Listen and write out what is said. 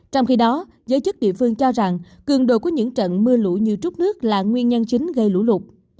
trong khi đó giới chức địa phương cho rằng cường độ của những trận mưa lũ như trút nước là nguyên nhân chính gây lũ lụt